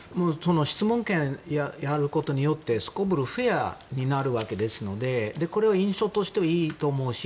質問権をやることによってすこぶるフェアになりますので印象としてはいいと思うし